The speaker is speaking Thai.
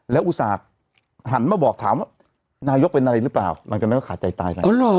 แล้วอุศากหันมาบอกถามว่านายยกเป็นอะไรหรือเปล่าหลังจากนั้นก็ขาดใจตาย